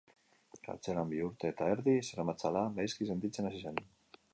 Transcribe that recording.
Kartzelan bi urte eta erdi zeramatzala, gaizki sentitzen hasi zen.